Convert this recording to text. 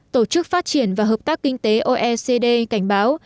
tổ chức phát triển và hợp tác kinh tế oecd cảnh báo